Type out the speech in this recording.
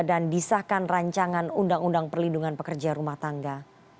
dan disahkan rancangan undang undang perlindungan pekerja rumah tangga